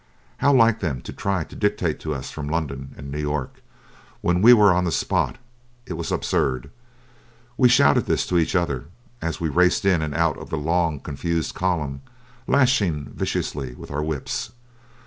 How like them to try to dictate to us from London and New York, when we were on the spot! It was absurd. We shouted this to each other as we raced in and out of the long confused column, lashing viciously with our whips.